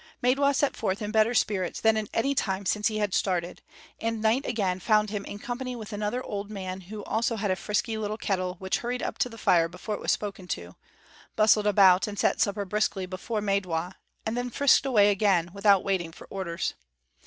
Maidwa set forth in better spirits than at any time since he had started; and night again found him in company with another old man who also had a frisky little kettle which hurried up to the fire before it was spoken to, bustled about and set supper briskly before Maidwa, and then frisked away again, without waiting for orders.